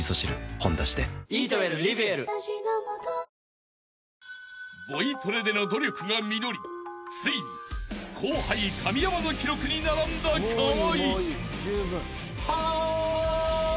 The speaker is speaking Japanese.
「ほんだし」で［が実りついに後輩神山の記録に並んだ河合］